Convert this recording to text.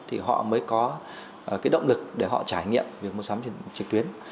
thì họ mới có cái động lực để họ trải nghiệm việc mua sắm trực tuyến